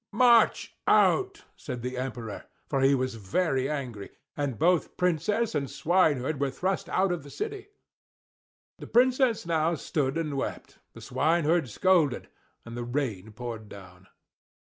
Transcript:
"March out!" said the Emperor, for he was very angry; and both Princess and swineherd were thrust out of the city. The Princess now stood and wept, the swineherd scolded, and the rain poured down.